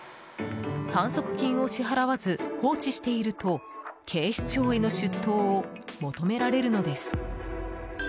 反則金を支払わず放置していると警視庁への出頭を求められるのです。